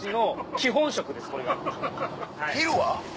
昼は？